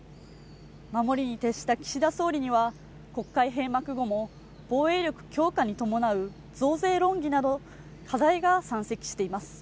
守りに徹した岸田総理には国会閉幕後も防衛力強化に伴う増税論議など課題が山積しています